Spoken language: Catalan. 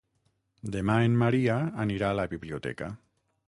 Demà en Maria anirà a la biblioteca.